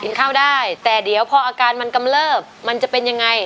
ข้าวได้แต่เดี๋ยวพออาการมันกำเลิบมันจะเป็นยังไง